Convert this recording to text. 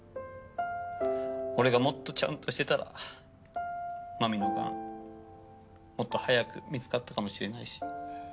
俺がもっとちゃんとしてたら真美のがんもっと早く見つかったかもしれないし。